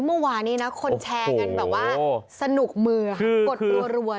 เมื่อวานนี้นะคนแชร์กันแบบว่าสนุกมือค่ะกดรัว